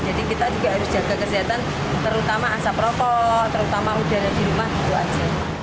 jadi kita juga harus jaga kesehatan terutama asap rokok terutama udara di rumah